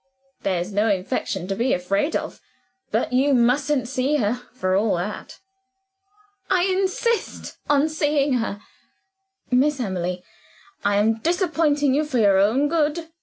"There's no infection to be afraid of. But you mustn't see her, for all that." "I insist on seeing her." "Miss Emily, I am disappointing you for your own good.